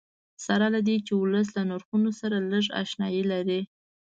سره له دې چې ولس له نرخونو سره لږ اشنایي لري.